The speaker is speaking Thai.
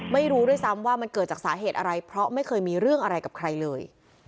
ไม่รู้ด้วยซ้ำว่ามันเกิดจากสาเหตุอะไรเพราะไม่เคยมีเรื่องอะไรกับใครเลย